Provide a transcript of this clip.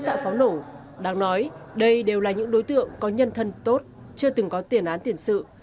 các đối tượng đã pháo nổ đáng nói đây đều là những đối tượng có nhân thân tốt chưa từng có tiền án tiền sự